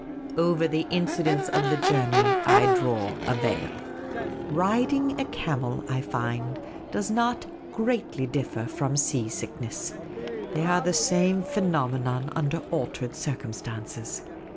Over the incidents of the journey I draw a veil. Riding a camel, I find, does not greatly differ from sea sickness. They are the same phenomenon under altered circumstances.